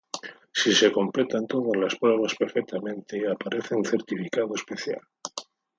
Si se completan todas las pruebas perfectamente aparece un certificado especial.